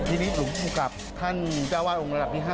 ที่นี้ผมกับท่านเจ้าวาลองกระดับ๕